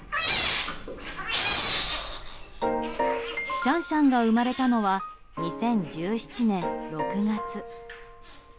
シャンシャンが生まれたのは２０１７年６月。